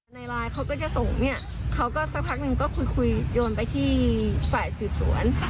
ในไลน์เขาก็จะส่งเนี่ยเขาก็สักพักหนึ่งก็คุยคุยโยนไปที่ฝ่ายสืบสวน